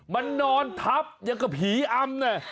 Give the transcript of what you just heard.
มันนอนทับอย่างกับผีอำเนี่ย